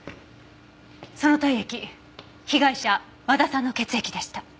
その体液被害者和田さんの血液でした。